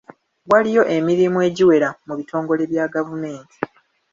Waliyo emirimu egiwera mu bitongole bya gavumenti.